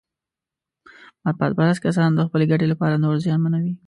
مفاد پرست کسان د خپلې ګټې لپاره نور زیانمنوي.